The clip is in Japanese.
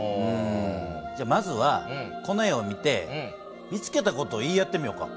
まずはこの絵を見て見つけた事を言い合ってみようか。